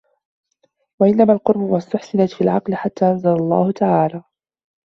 وَإِنَّمَا الْقُرَبُ مَا اُسْتُحْسِنَتْ فِي الْعَقْلِ حَتَّى أَنْزَلَ اللَّهُ تَعَالَى